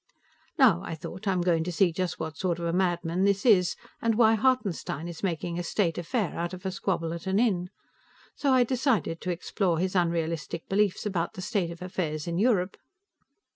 Now, I thought, I am going to see just what sort of a madman this is, and why Hartenstein is making a State affair out of a squabble at an inn. So I decided to explore his unrealistic beliefs about the state of affairs in Europe.